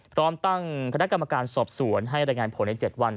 พร้อมตั้งคณะกรรมการสอบสวนให้รายงานผลใน๗วัน